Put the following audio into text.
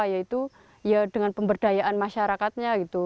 yaitu ya dengan pemberdayaan masyarakatnya gitu